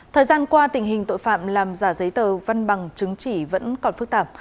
thời gian qua tình hình tội phạm làm giả giấy tờ văn bằng chứng chỉ vẫn còn phức tạp